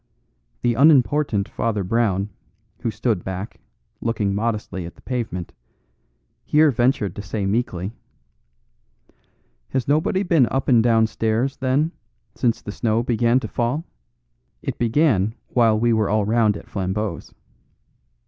The unimportant Father Brown, who stood back, looking modestly at the pavement, here ventured to say meekly, "Has nobody been up and down stairs, then, since the snow began to fall? It began while we were all round at Flambeau's."